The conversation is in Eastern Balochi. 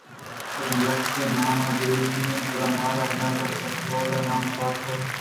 اگاں یکے ءَ نام گِرگی اَت گڑا مارا بناربس کہول ءِ نام ءَ توارے کُت